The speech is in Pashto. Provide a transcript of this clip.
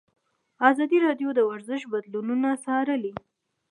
ازادي راډیو د ورزش بدلونونه څارلي.